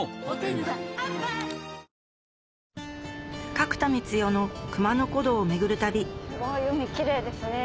角田光代の熊野古道を巡る旅すごい海キレイですね。